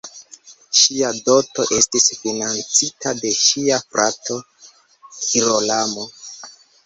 Ŝia doto estis financita de ŝia frato Girolamo.